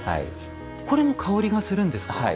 これも香りがするんですか？